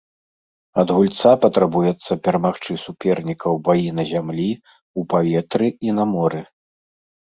Ад гульца патрабуецца перамагчы суперніка ў баі на зямлі, у паветры і на моры.